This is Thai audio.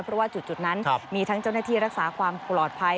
เพราะว่าจุดนั้นมีทั้งเจ้าหน้าที่รักษาความปลอดภัย